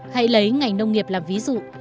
hãy lấy ngành nông nghiệp làm ví dụ